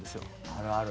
あるある。